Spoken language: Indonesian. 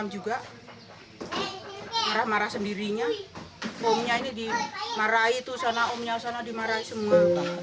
juga marah marah sendirinya umurnya ini dimarahi tuh sana umnya sana dimarahi semua